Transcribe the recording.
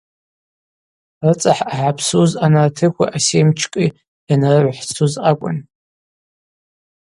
Рыцӏа хӏъагӏапсуз анартыхви асемчкӏи йанрыгӏвхӏцуз акӏвын.